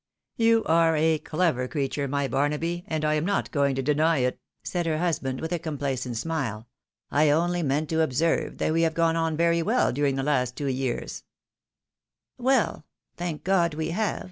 " You are a clever creature, my Barnaby, and I am not going to deny it," said her husband, with a complacent smile. " I only meant to observe that we had gone on very well during the last two years." PATTT FAR FKOM SATISFIED WITH JACK. 307 " "Well ? thank God we have